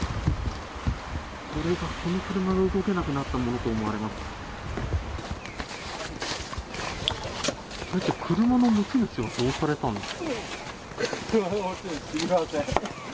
この車が動けなくなったものと思われます。